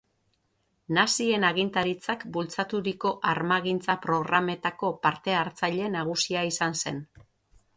Nazien agintaritzak bultzaturiko armagintza-programetako parte-hartzaile nagusia izan zen.